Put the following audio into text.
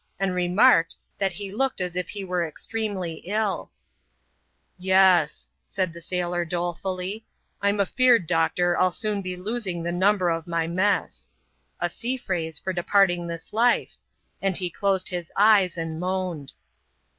and remarked, that he looked as if he were extremely ilL " Yes,'' said the sailor dolefully, " I'm afeard, doctor. 111 soon be losing the number of my mess !" (a sea phrase, for departing this life), and he closed his eyes, and moaned.